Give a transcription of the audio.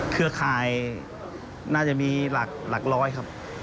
เครือข่ายน่าจะมีหลักร้อยครับ